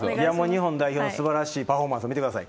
日本代表、すばらしいパフォーマンス見てください。